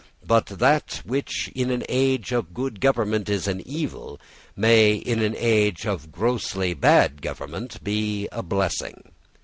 But that which in an age of good government is an evil may, in an ago of grossly bad government, be a blessing.